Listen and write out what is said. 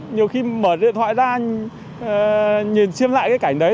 nhiều khi mở điện thoại ra nhìn xem lại cái cảnh đấy